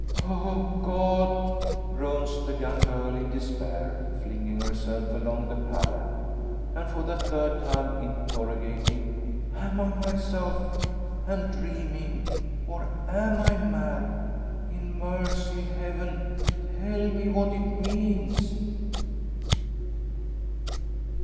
"O God!" groans the young girl in despair, flinging herself along the pallet, and for the third time interrogating, "am I myself, and dreaming? Or am I mad? In mercy, Heaven, tell me what it means!"